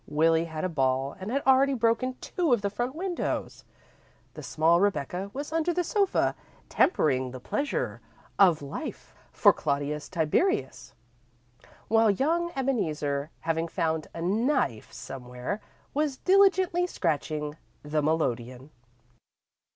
Willie had a ball and had already broken two of the front windows. The small Rebecca was under the sofa, tempering the pleasure of life for Claudius Tiberius, while young Ebeneezer, having found a knife somewhere, was diligently scratching the melodeon.